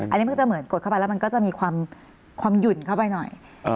อันนี้เพิ่งจะเหมือนกดเข้าไปแล้วมันก็จะมีความหยุ่นเข้าไปหน่อย